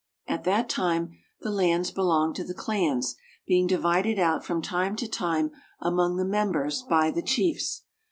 At that time the lands belonged to the clans, being divided out from time to time among the members by the chiefs.